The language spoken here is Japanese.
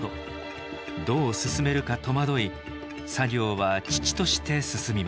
どう進めるか戸惑い作業は遅々として進みません